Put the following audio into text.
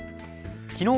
きのう